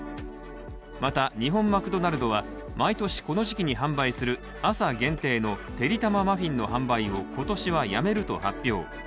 また、日本マクドナルドは毎年、この時期に販売する朝限定のてりたまマフィンの販売を今年はやめると発表。